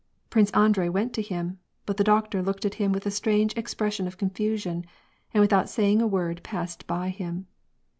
Prince Andrei went to him, but the doctor looked at him with a strange expression of confusion, and without saying a word passed by him.